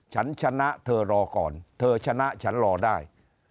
ฉันชนะเธอรอก่อนเธอชนะฉันรอได้